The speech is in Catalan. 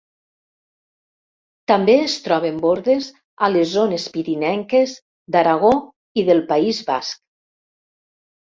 També es troben bordes a les zones pirinenques d'Aragó i del País Basc.